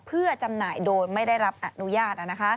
เพื่อจำหน่ายโดยไม่ได้รับอนุญาต